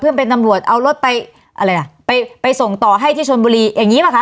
เพื่อนเป็นตำรวจเอารถไปไปส่งต่อให้ที่ชนบุรีอย่างนี้ไหมคะ